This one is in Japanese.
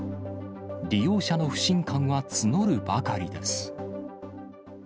利用者の不信感は募るばかりです。